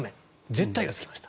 絶対がつきました。